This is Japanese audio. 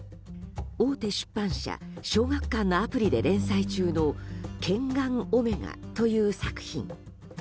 大手出版社・小学館がアプリで連載中の「ケンガンオメガ」という作品。